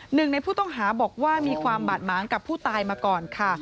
หนึ่งในผู้ต้องหาบอกว่ามีความบาดหมางกับผู้ตายมาก่อนค่ะ